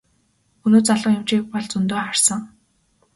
Өнөө залуу эмчийг бол зөндөө харсан.